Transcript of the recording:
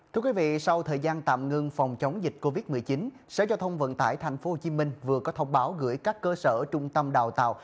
thưa quý vị sau thời gian tạm ngưng phòng chống dịch covid một mươi chín sở giao thông vận tải tp hcm vừa có thông báo gửi các cơ sở trung tâm đào tạo